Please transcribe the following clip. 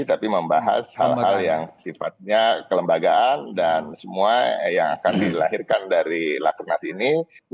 tapi membahas hal hal yang sifatnya kelembagaan dan semua yang akan dilahirkan dari lakenas ini